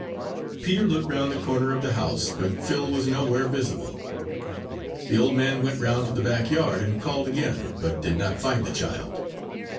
Peter looked round the corner of the house, but Phil was nowhere visible. The old man went round to the back yard, and called again, but did not find the child.